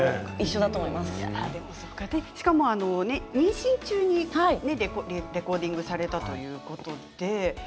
しかも妊娠中にレコーディングされたということで。